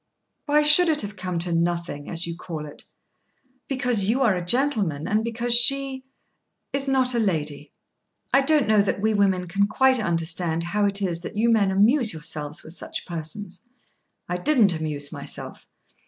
"Why should it have come to nothing, as you call it?" "Because you are a gentleman and because she is not a lady. I don't know that we women can quite understand how it is that you men amuse yourselves with such persons." "I didn't amuse myself."